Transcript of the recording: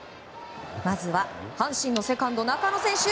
まずは阪神のセカンド中野選手。